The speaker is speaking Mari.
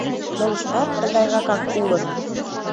Молыштат тыгайракак улыт.